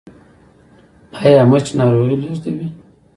ایا مچ ناروغي لیږدوي؟